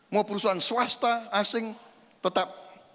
mau perusahaan swasta asing tetap